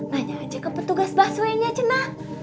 nanya aja ke petugas bus we nya cina